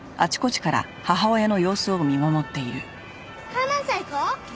観覧車行こう！